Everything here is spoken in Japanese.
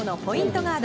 ガード